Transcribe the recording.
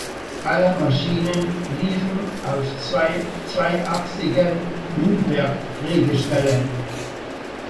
Alle Maschinen liefen auf zwei zweiachsigen Bloomberg-Drehgestellen.